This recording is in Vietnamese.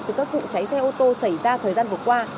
từ các vụ cháy xe ô tô xảy ra thời gian vừa qua